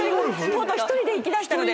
とうとう一人で行きだしたので。